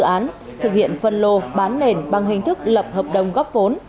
công an tỉnh cà mau đã thực hiện phân lô bán nền bằng hình thức lập hợp đồng góp vốn